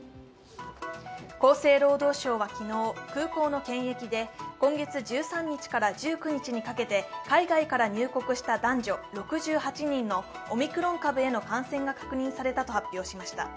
厚生労働省は昨日、空港の検疫で今月１３日から１９日にかけて海外から入国した男女６８人のオミクロン株への感染が確認されたと発表しました。